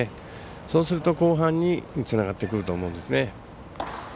そうすると後半につながってくると思うんですね。